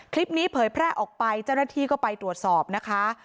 เผยแพร่ออกไปเจ้าหน้าที่ก็ไปตรวจสอบนะคะ